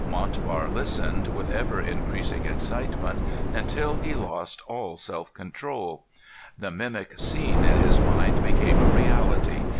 Montbar listened, with ever increasing excitement, until he lost all self control. The mimic scene in his mind became a reality.